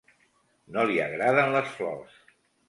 No li agraden les flors.